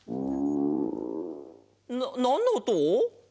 ななんのおと？